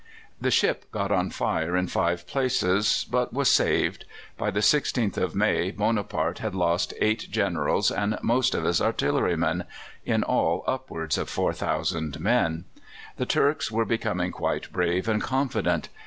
The ship got on fire in five places, but was saved. By the 16th of May Bonaparte had lost eight Generals and most of his artillerymen in all upwards of 4,000 men. The Turks were becoming quite brave and confident.